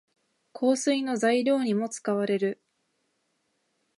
香水の材料にも使われる。